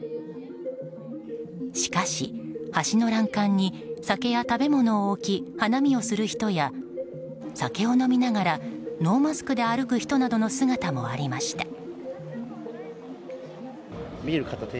しかし、橋の欄干に酒や食べ物を置き花見をする人や酒を飲みながらノーマスクで歩く人などの姿もありました。